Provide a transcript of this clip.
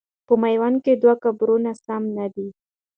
په میوند کې دوه قبرونه سم نه دي.